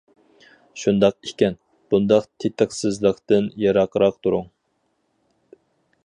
شۇنداق ئىكەن، بۇنداق تېتىقسىزلىقتىن يىراقراق تۇرۇڭ!